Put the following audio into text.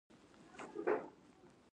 مایک مې سم کار نه کوي.